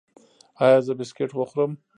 ایا زه بسکټ وخورم؟